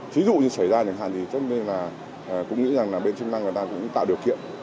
ví dụ như xảy ra chẳng hạn thì chắc nên là cũng nghĩ rằng là bên chức năng người ta cũng tạo điều kiện